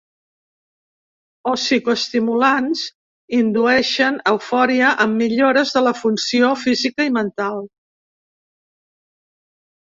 O psicoestimulants, indueixen eufòria amb millores de la funció física i mental.